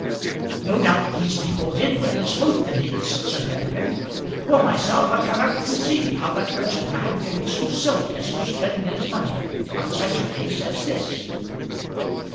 "No doubt these people did witness both the deeds," said Sir Peregrine. "For myself, I cannot conceive how that wretched man can be so silly as to spend his money on such a case as this."